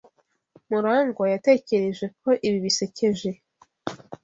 Murangwa yatekereje ko ibi bisekeje.